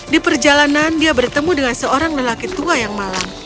di perjalanan dia bertemu dengan seorang lelaki tua yang malam